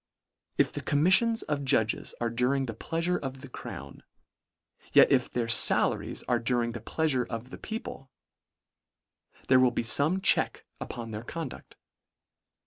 If the commiffions of judges are during the pleafure of the crown, yet if their fala ries are during the pleasure of the people, there will be fome check upon their conduct.